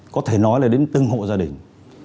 có thể nói là đến từng hộ gia đình